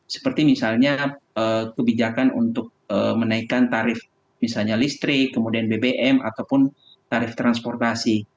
seperti misalnya kebijakan untuk menaikkan tarif misalnya listrik kemudian bbm ataupun tarif transportasi